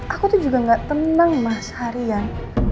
aku tuh juga gak tenang ma seharian